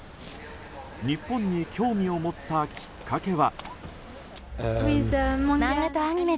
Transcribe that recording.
日本に興味を持ったきっかけは。